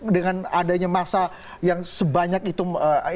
dengan adanya masa yang sebanyak itu yang kemudian terlihat